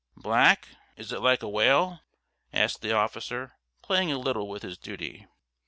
"Black! Is it like a whale?" asked the officer, playing a little with his duty.